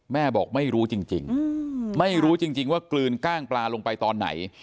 บอกไม่รู้จริงไม่รู้จริงว่ากลืนกล้างปลาลงไปตอนไหน